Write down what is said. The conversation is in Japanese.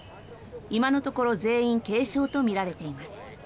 今のところ全員軽傷とみられています。